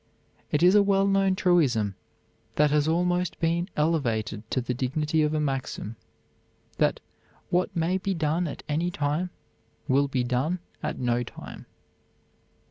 It is a well known truism that has almost been elevated to the dignity of a maxim, that what may be done at any time will be done at no time.